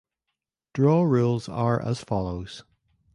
Draw rules are as follows.